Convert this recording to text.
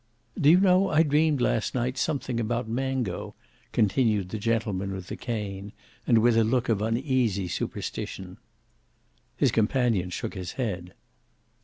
"Do you know I dreamed last night something about Mango," continued the gentleman with the cane, and with a look of uneasy superstition. His companion shook his head.